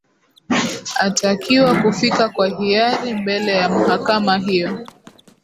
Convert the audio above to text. atakiwa kufika kwa hiari mbele ya mahakama hiyo